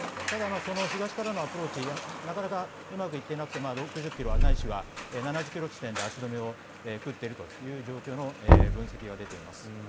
ただ、その東からのアプローチはなかなかうまくいっていなくて６０ｋｍないしは７０ｋｍ地点で足止めを食っているという状況の分析が出ています。